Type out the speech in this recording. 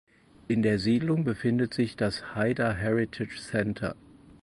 In der Siedlung befindet sich das „Haida Heritage Centre“.